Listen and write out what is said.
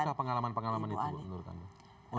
cukupkah pengalaman pengalaman itu bu menurut anda